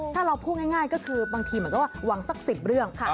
ถ้าเราพูดง่ายก็คือบางทีเหมือนกับว่าหวังสัก๑๐เรื่อง